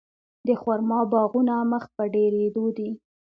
د خرما باغونه مخ په ډیریدو دي.